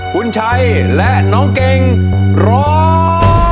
คุณชัยและน้องเก่งร้อง